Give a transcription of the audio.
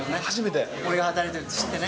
俺が働いてるのを知ってね。